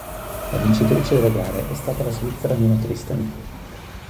La vincitrice della gare è stata la svizzera Nina Christen.